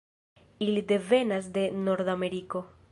Ili devenas de Nordameriko.